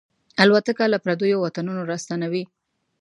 الوتکه له پردیو وطنونو راستنوي.